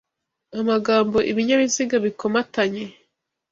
Amagambo ibinyabiziga bikomatanye